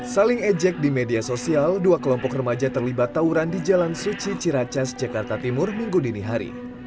saling ejek di media sosial dua kelompok remaja terlibat tawuran di jalan suci ciracas jakarta timur minggu dini hari